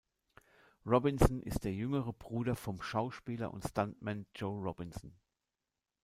Robinson ist der jüngere Bruder vom Schauspieler und Stuntman Joe Robinson.